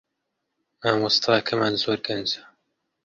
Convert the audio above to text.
مامۆستاکەمان زۆر گەنجە